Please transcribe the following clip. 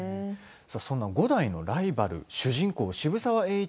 そんな五代のライバル主人公・渋沢栄一